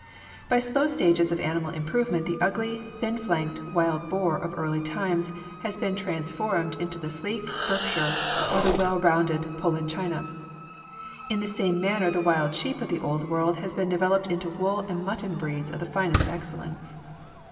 By slow stages of animal improvement the ugly, thin flanked wild boar of early times has been transformed into the sleek Berkshire or the well rounded Poland China. In the same manner the wild sheep of the Old World have been developed into wool and mutton breeds of the finest excellence.